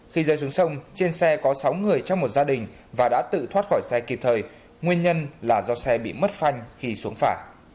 khi rơi xuống sông trên xe có sáu người trong một gia đình và đã tự thoát khỏi xe kịp thời nguyên nhân là do xe bị mất phanh khi xuống phà